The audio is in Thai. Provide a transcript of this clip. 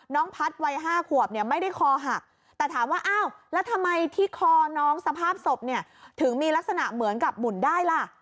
น้องพัฒน์วัย๕ขวบเนี่ยไม่ได้คอหักแต่ถามว่าอ้าวแล้วทำไมที่คอน้องสภาพศพเนี่ยถึงมีลักษณะเหมือนกับหมุนได้ล่ะ